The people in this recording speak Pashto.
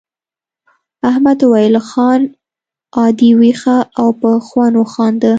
احمد وویل خان عادي وښیه او په خوند وخانده.